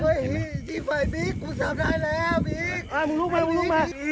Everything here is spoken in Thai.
เฮ้ยที่ไฟบิ๊กกูสามารถได้แล้วบิ๊กอ่ะมึงลุกมามึงลุกมา